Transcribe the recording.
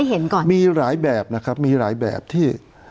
เห็นก่อนมีหลายแบบนะครับมีหลายแบบที่